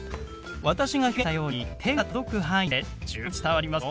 私が表現したように手が届く範囲で十分伝わりますよ。